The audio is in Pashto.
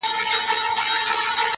یو سړي ؤ په یو وخت کي سپی ساتلی,